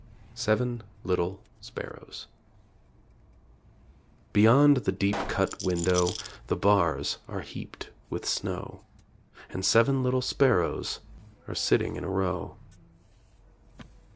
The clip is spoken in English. _ SEVEN LITTLE SPARROWS Beyond the deep cut window The bars are heaped with snow, And seven little sparrows Are sitting in a row.